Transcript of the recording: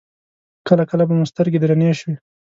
کله کله به مو سترګې درنې شوې.